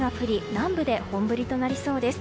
南部で本降りとなりそうです。